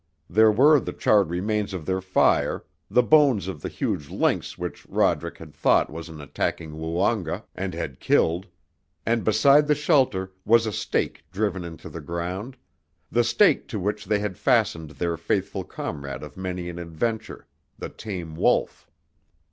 There were the charred remains of their fire, the bones of the huge lynx which Roderick had thought was an attacking Woonga, and had killed; and beside the shelter was a stake driven into the ground, the stake to which they had fastened their faithful comrade of many an adventure, the tame wolf.